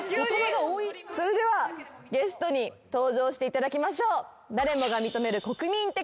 それではゲストに登場していただきましょう。